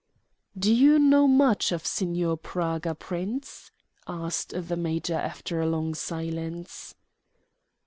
"Do you know much of Signor Praga, Prince?" asked the major after a long silence.